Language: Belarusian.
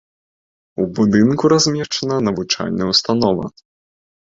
У будынку размешчана навучальная ўстанова.